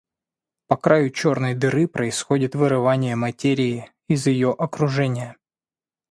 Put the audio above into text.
По краю черной дыры происходит вырывание материи из ее окружения.